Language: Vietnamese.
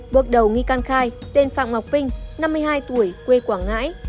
bước đầu nghi can khai tên phạm ngọc vinh năm mươi hai tuổi quê quảng ngãi